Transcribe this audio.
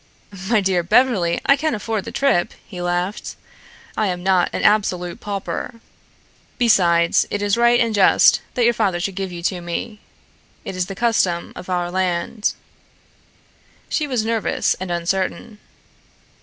"My dear Beverly, I can afford the trip," he laughed. "I am not an absolute pauper. Besides, it is right and just that your father should give you to me. It is the custom of our land." She was nervous and uncertain.